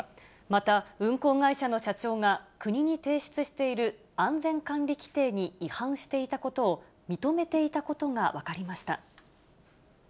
また、運航会社の社長が、国に提出している安全管理規程に違反していたことを認めていたことが分かりました。